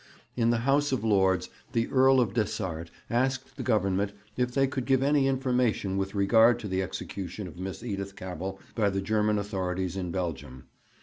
In the House of Lords the Earl of Desart asked the Government if they could give any information with regard to the execution of Miss Edith Cavell by the German authorities in Belgium.